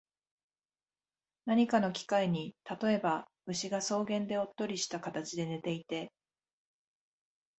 何かの機会に、例えば、牛が草原でおっとりした形で寝ていて、